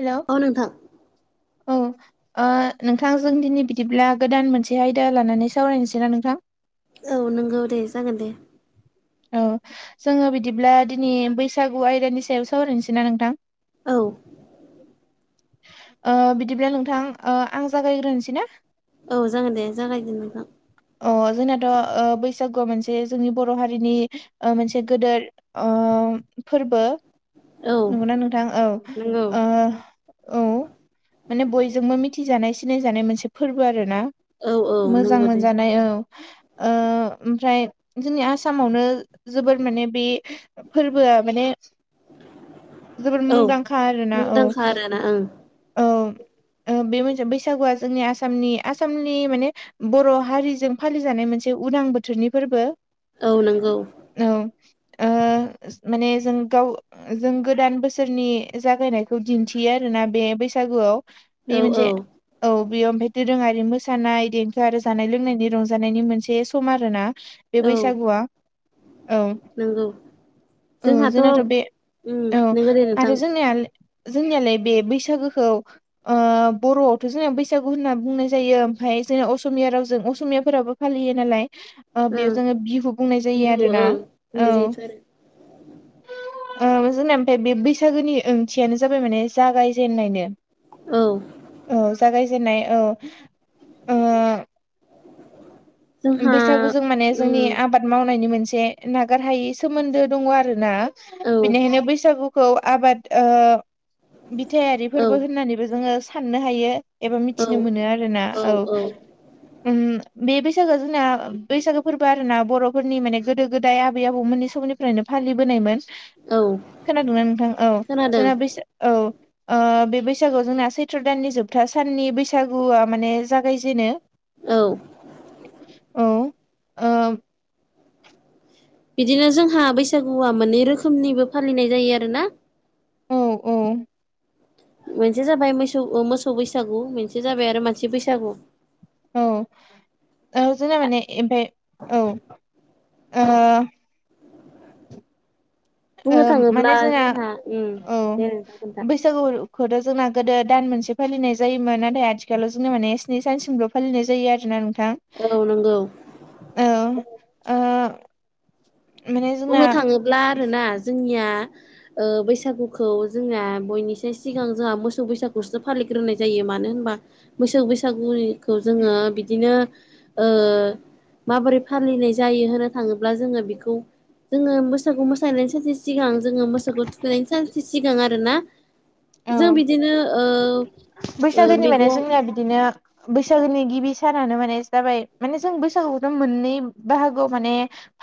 हेल' औ नोंथां औ नोंथां जों दिनै बिदिब्ला गोदान मोनसे एसे आयदा लानानै सावरायनोसै ना नोंथां औ नंगौ दे जागोन दे औ जोङो बिदिब्ला दिनै बैसागु आयदानि सायाव सावरायनोसै ना नोंथां औ बिदिब्ला नोंथां आं जागायग्रोनोसै ना औ जागोन दे जागायदो नोंथां अ जोंनाथ' बैसागु मोनसे जोंनि बर' हारिनि मोनसे गोदोर फोरबो औ नंगौना नोंथां औ नंगौ ओ औ माने बयजोंबो मिथिजानाय सिनायजानाय मोनसे फोरबो आरो ना औ औ मोजां नंगौ दे। मोनजानाय ओमफ्राय जोंनि आसामावनो जोबोर माने बे फोरबोआ माने जोबोर मुंदांखा आरो ना औ। ना औ बे मोनसे बैसागुआ जोंनि आसामनि आसामनि माने बर' हारिजों फालिजानाय मोनसे उदां बोथोरनि फोरबो। औ नंगौ। औ माने जों गाव जों गोदान बोसोरनि जागायनायखौ दिन्थियो आरो ना बे बैसागुआव औ बे औ मोनसे। औ बेयाव ओमफफ्राय दोरोङारि मोसानाय देंखो आरो जानाय लोंनायनि रंजानायनि मोनसे सम आरो ना बे बैसागुआ औ नोंगौ औ जोंनाथ' बे औ नंगौ दे नोंथां आरो जोंनिया जोंनियालाय बे बैसागो खौ। ओ बर'आवथ' जोंना बैसागु होनना बुंनाय जायो ओमफ्राय जोंना असमिया रावजों असमियाफोराबो। फालियो नालाय ओ ओं बेयाव जोङो बिहु बुंनाय जायो बिहु आरोना ओं बुंनाय औ। जायोथ' आरो [unintelligible] जोंनिया ओमफाय बे बैसागोनि ओंथियानो जाबाय माने जागायजेननायनो। औ औ जागायजेननाय औ। ओ जोंहा बैसागुजों माने जोंनि उम आबाद मावनायनि मोनसे नागारहायि सोमोन्दो दङ आरो ना? औ बिनिखायनो बैसागुखौ आबाद बिथायारि औ फोरबो होननानैबो जोङो साननो हायो। एबा औ मिथिनो मोनो आरो ना औ बे बैसागो जोंना बैसागो फोरबो आर ना बर'फोरनि माने गोदो गोदाय आबै आबौमोननिै समनिफ्रायनो फालिबोनायमोन। औ खोनादोंना नोंथां औ खोनादों जोनाबैस औ बे बैसागुआव जोंना सैथ्र' दाननि जोबथा साननि बैसागुआ माने जागायजेनो औ। औ आ बिदिनो जोंहा बैसागुआ मोननै रोखोमनिबो फालिनाय जायो आरो ना? औ औ। मोनसे जाबाय मोसौ ओ मोसौ बैसागु मोनसे जाबाय आरो मानसि बैसागु। औ ओ जोंना माने ओमफाय औ ओ ओ बुंनो थाङोब्ला माने जोंहा उम औ दे नोंथां खोन्था बो बैसागोखौथ' जोंना गोदो दान मोनसे फालिनाय जायोमोन नाथाय आथिखालाव जोंना माने स्नि सानसिमल' फालिनाय जायो आरोना। नोंथां औ नंगौ औ ओ माने जोंना बुंनो थाङोब्ला आरोना जोंनिया ओ बैसागुखौ जोंना बयनिसाय सिगां जोंहा मोसौ बैसागुखौसो फालिग्रोनाय जायो मानो होनबा? मोसौ बैसागुनि खौ जोङो बिदिनो ओ माबोरै फालिनाय जायो होनो थाङोब्ला ब्ला जोङो बेखौ जोङो बैसागु मोसानायनि सानसे सिगां जोङो मोसौखौ थुखैनायनि सानसे सिगां आरोना औ जों बिदिनो ओ ओ बैसागोनिफायनो मैगं जोंनिया बिदिनो बैसागोनि गिबि सानानो माने जाबाय माने जों बैसागुखौथ' मोननै बाहागोआव माने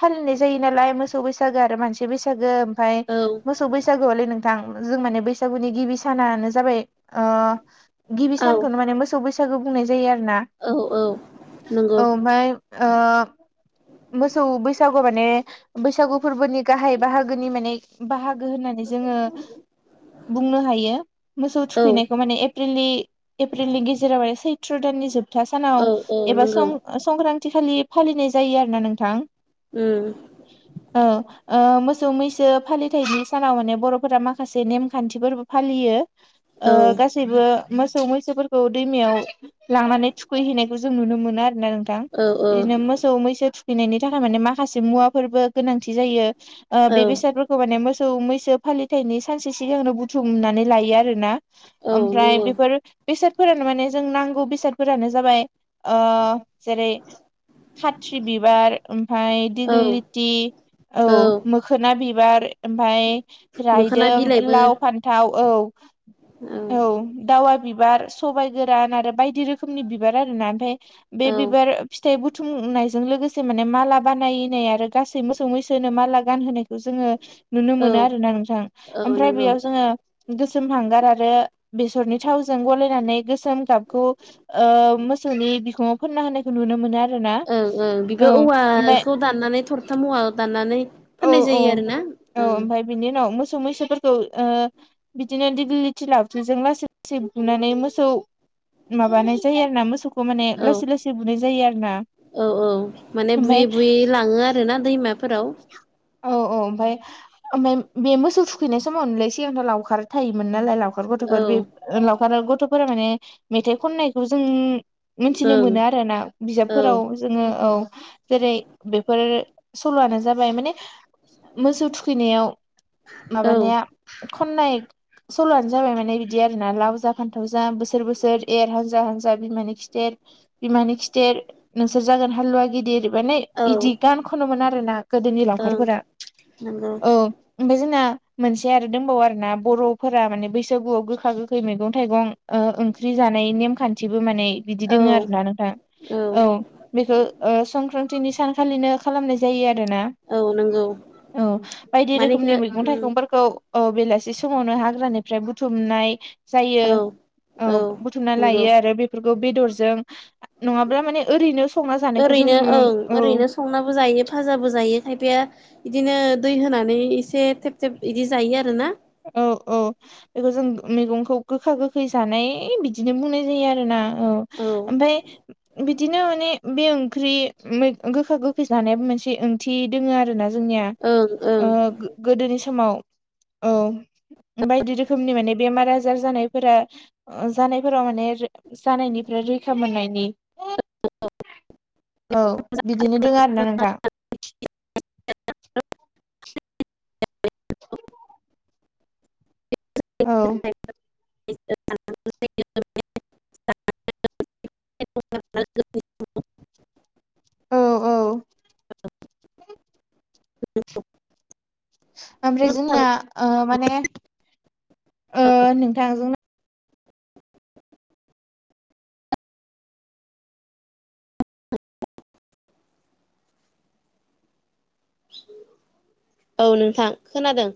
फालिनाय जायो नालाय मोसौ बैसागो आरो मानसि बैसागो ओमफाय औ मोसौ बैसागुआवलै नोंथां जों माने बैसागुनि गिबि सानानो जाबाय ओ गिबि औ सानखौनो माने मोसौ बैसागु बुंनाय जायो आरोना औ औ नंगौ औ ओमफाय ओ मोसौ बैसागु माने बैसागु फोरबोनि गाहाय बाहागोनि माने बाहा गो होननानै जोङो बुंनो हायो मोसौ औ थुखैनायखौ माने एप्रिलनि एप्रिलनि गेजेराव माने सैथ्र' दाननि जोब था औ सानाव औ एबा नंगौ सं संक्रान्ति खालि फालिनाय जायो आरोना नोंथां उम औ ओ मोसौ मैसो फालिथायनि सानाव माने बर'फोरा माखासे नेम खान्थिफोरबो फालियो औ ओ गासैबो मोसौ मैसोफोरखौ दैमायाव लांनानै थुखैहैनायखौ जों नुनो मोनो आरो ना नोंथां औ औ बिदिनो मोसौ मैसो थु खैनायनि थाखाय माने माखसे मुवाफोरबो गोनांथि जायो ओ औ बे बेसादफोर खौ माने मोसौ मैसो फालिथायनि सानसे सिगांनो बुथुमनानै लायो आरो ना औ ओमफ्राय नंगौ बेफोर बेसादफोरानो माने जों नांगौ बेसादफोरानो जाबाय ओ जेरै खात्रि बिबार ओमफाय औ दिग्लि थि औ मोखोना बिबार ओमफाय मोखोना रायदों बिलाइबो लाव फान्थाव औ औ दावा बिबार सबाइ गोरान आरो बायदि रोखोमनि बिबार आरो ना ओमफाय बे औ बिबार फिथाइ बु थुमनायजों लोगोसे माने माला बानायनाय आरो गासै मोसौ मैसोनो माला गानहोनायखौ जोङो नुनो औ मोनो आरोना नोंथां औ ओमफ्राय नंगौ बेयाव जों जोङो गोसोम हांगार आरो बेसरनि थावजों गलायनानै गोसोम गाबखौ ओ मोसौनि बिखुङाव फोनना होनायखौ नुनो मोनो आरोना ओ औ बेबो ओमफ्राय औवाखौ दाननानै थरथाम औवा दाननानै औ फाननाय औ जायो आरो ना औ ओमफाय बिनि उनाव मोसौ मैसोफोरखौ ओ बिदिनो दिगलिथि लाउथिजों लासै लासै बुनानै मोसौ माबानाय जायो आरो ना मोसौखौ माने ओं लासै लासै बुनाय जायो आरो ना औ औ माने बुयै ओमफाय बुयै लाङो आरो ना दैमाफोराव औ औ ओमफाय ओमफाय बे मोसौ थुखैनाय समावनोलै सिगांथ' लावखार थायोमोन नालाय लाव खार औ गथ'फोर बे लावखार गथ'फोरा माने मेथाइ खननायखौ जों मोनथिनो ओं मोनो आरो ना बिजाबफोराव औ जोङो औ जेरै बेफोर सल'आनो जाबाय माने मोसौ थुखैनायाव औ माबानाया खननाय सल'आनो जाबाय माने बिदि आरोना लाव जा फान्थाव जा बोसोर बोसोर एर हांजा हांजा बिमानि खिथेर बिमानि खिथेर नोंसोर जागोन हालुवा गिदिर माने इदि औ गान खनोमोन आरो ना गोदोनि ओं लावखारफोरा नंगौ औ ओमफ्राय जोंना मोनसे आरो दंबावो आरोना बर'फोरा माने बैसागुआव गोखा गोखै मैगं थाइगं ओ ओंख्रि जानाय नेम खान्थिबो माने बिदि औ दङ आरोना नोंथां औ बेखौ ओ संक्रान्तनि सान खालिनो खालामनाय जायो आरोना औ नंगौ औ बायदि माने इखो रोखोमनि मैगं उम थाइगंफोरखौ औ बेलासि समावनो हाग्रानिफ्राय बुथुमनाय जायो औ औ बुथुमना नंगौ लायो आरो बेफोरखौ बेदरजों नङाब्ला माने ओरैनो संना जानायखौ ओरैनो जोंनो ओं औ ओरैनो संनाबो जायो फाजाबो जायो खायफाया बिदिनो दै होनानै एसे थेब थेब बिदि जायो आरो ना औ औ बेखौ जों मैगंखौ गोखा गोखै जानाय ए बिदिनो बुंनाय जायो आरो ना औ ओमफाय बिदिनो माने बे ओंख्रि गोखा गोखै जानायाबो मोनसे ओंथि दङो आरो ना जोंनिया ओं ओं ओ गोदोनि समाव औ बायदि रोखोमनि माने बेमार आजार जानाय फोरा ओ जानायफोराव माने जानायनिफ्राय रैखा मोननायनि औ बिदिनो दोङो आरोना नोंथां [unintelligible] औ ब [unintelligible] [unintelligible] औ औ [unintelligible] [unintelligible] ओमफ्राय जोंना ओ माने ओ नोंथां जोंना औ नोंथां खोनादों